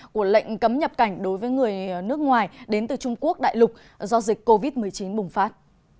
của lệnh cấm nhập cảnh đối với người nước ngoài đến từ trung quốc đại lục do dịch covid một mươi chín bùng phát